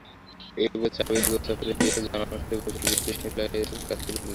এই বলে চাবির গোছা ফেলে দিয়ে জানলার কাছে বসে বিলিতি সেলাইয়ের কাজ করতে লাগলুম।